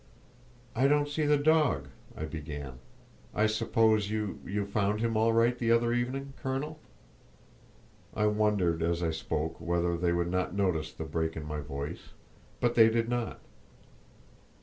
"I don't see the dog," I began, "I suppose you—you found him all right the other evening, colonel?" I wondered, as I spoke, whether they would not notice the break in my voice, but they did not.